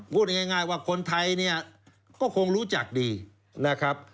พูดง่ายว่าคนไทยเนี่ยก็คงรู้จักดีนะครับ